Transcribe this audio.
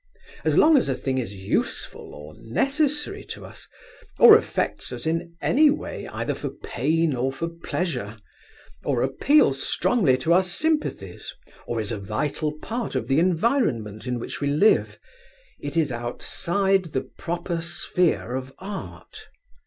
As long as a thing is useful or necessary to us, or affects us in any way, either for pain or for pleasure, or appeals strongly to our sympathies, or is a vital part of the environment in which we live, it is outside the proper sphere of art.